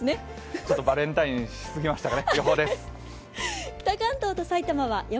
ちょっとバレンタインしすぎましたかね。